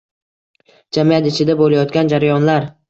Jamiyat ichida bo‘layotgan jarayonlar